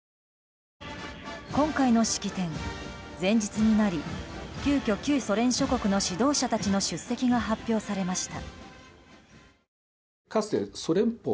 今回の式典、前日になり急きょ、旧ソ連諸国の指導者たちの出席が発表されました。